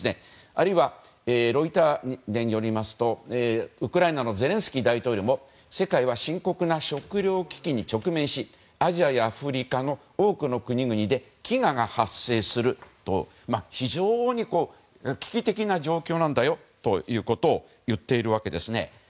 あるいは、ロイターによりますとウクライナのゼレンスキー大統領も世界は深刻な食料危機に直面しアジアやアフリカの多くの国々で飢餓が発生すると非常に危機的な状況なんだということを言っているわけですね。